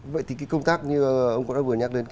vậy thì công tác như ông đã vừa nhắc đến